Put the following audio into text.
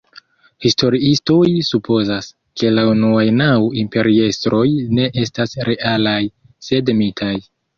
Historiistoj supozas, ke la unuaj naŭ imperiestroj ne estas realaj, sed mitaj.